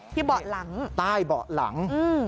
เบาะหลังใต้เบาะหลัง